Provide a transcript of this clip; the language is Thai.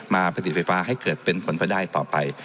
ผลิตไฟฟ้าให้เกิดเป็นผลไปได้ต่อไป